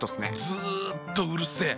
ずっとうるせえ。